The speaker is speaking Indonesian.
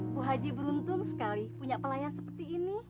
bu haji beruntung sekali punya pelayan seperti ini